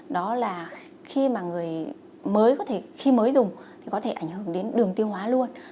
đó là khi mới dùng có thể ảnh hưởng đến đường tiêu hóa luôn